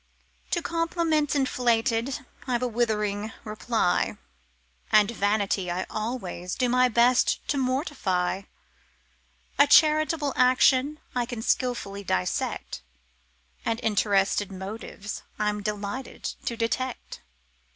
To compliments inflated I've a withering reply; And vanity I always do my best to mortify; A charitable action I can skilfully dissect: And interested motives I'm delighted to detect.